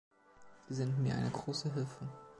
Sie sind mir eine große Hilfe.